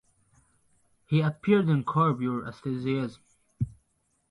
He appeared in "Curb Your Enthusiasm".